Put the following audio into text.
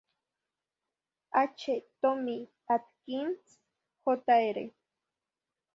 H. "Tommy" Atkins, Jr.